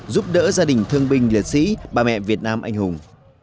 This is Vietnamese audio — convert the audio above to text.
giúp đỡ gia đình thương binh liệt sĩ bà mẹ việt nam anh hùng